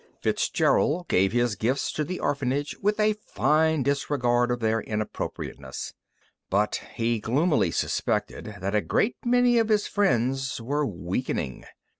Fitzgerald gave his gifts to an orphanage, with a fine disregard of their inappropriateness. But he gloomily suspected that a great many of his friends were weakening.